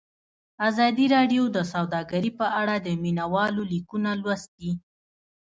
ازادي راډیو د سوداګري په اړه د مینه والو لیکونه لوستي.